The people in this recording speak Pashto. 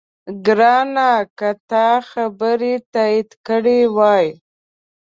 ګرانه! که تا خبرې تایید کړې وای،